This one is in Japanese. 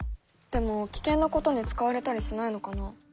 でも危険なことに使われたりしないのかな？